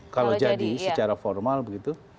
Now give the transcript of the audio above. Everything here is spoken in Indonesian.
kalau jadi secara formal begitu